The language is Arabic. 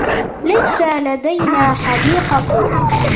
ليس لدينا حديقة.